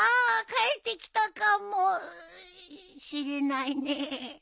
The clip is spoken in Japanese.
返ってきたかもしれないねえ。